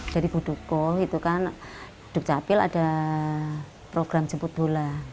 dari buduko itu kan dukcapil ada program jemput bola